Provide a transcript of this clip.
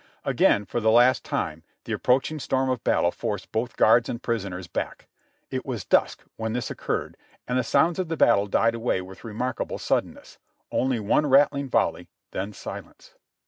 Again, for the last time, the approaching storm of battle forced both guards and prisoners back. It was dusk when this occurred, and the sounds of the battle died away with remarkable sudden ness, only one rattling volley, then silence.